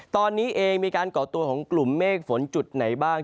ตอนนี้เองมีการก่อตัวของกลุ่มเมฆฝนจุดไหนบ้าง